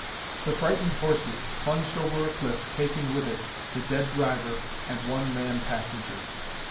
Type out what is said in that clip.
The frightened horses plunged over a cliff taking with it the dead driver and one man passenger.